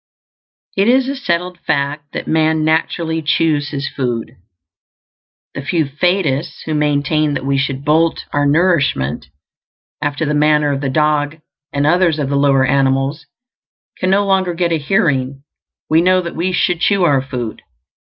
It is a settled fact that man naturally chews his food. The few faddists who maintain that we should bolt our nourishment, after the manner of the dog and others of the lower animals, can no longer get a hearing; we know that we should chew our food.